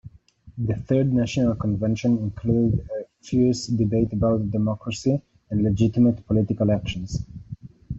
The third national convention included a fierce debate about democracy and legitimate political actions.